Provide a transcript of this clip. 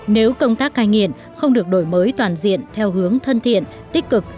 nếu công tác cai nghiện không được đổi mới toàn diện theo hướng thân thiện tích cực